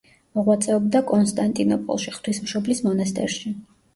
მოღვაწეობდა კონსტანტინოპოლში, ღვთისმშობლის მონასტერში.